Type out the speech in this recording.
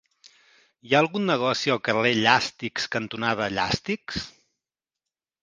Hi ha algun negoci al carrer Llàstics cantonada Llàstics?